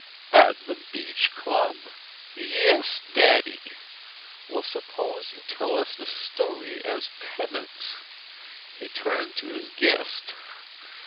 "At the Beach Club?" "Yes, Daddy." "Well, suppose you tell us the story, as penance." He turned to his guest.